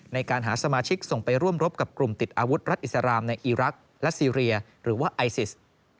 ในการหาสมาชิกส่งไปร่วมรบกับกลุ่มติดอาวุธรัฐอิสรามในอีรักษ์และซีเรียหรือว่าไอซิส